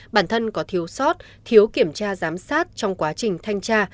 bản thân có thiếu sót thiếu kiểm tra giám sát trong quá trình thanh tra